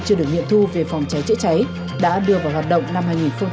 chưa được nhận thu về phòng cháy chữa cháy đã đưa vào hoạt động năm hai nghìn hai mươi hai